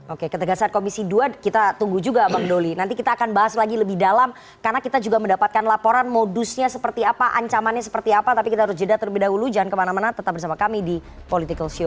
oke ketegasan komisi dua kita tunggu juga bang doli nanti kita akan bahas lagi lebih dalam karena kita juga mendapatkan laporan modusnya seperti apa ancamannya seperti apa tapi kita harus jeda terlebih dahulu jangan kemana mana tetap bersama kami di political show